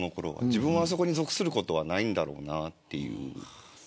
自分が、あそこに属することはないんだろうなっていう。